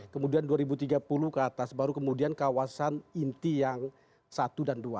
kemudian dua ribu tiga puluh ke atas baru kemudian kawasan inti yang satu dan dua